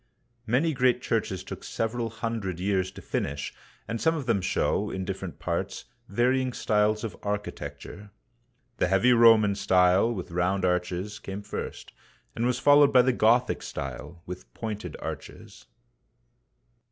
Many great churches took several hundred years to finish, and some of them show, in different parts, varying styles of architecture. The heavy Roman style, with round arches, came first, and was followed by the Gothic style, with pointed arches.